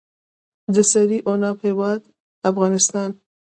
د سرې عناب هیواد افغانستان.